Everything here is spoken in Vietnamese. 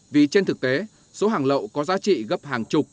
vì trên thực tế số hàng lậu có giá trị gấp hàng chục